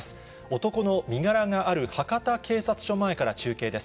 男の身柄がある博多警察署前から中継です。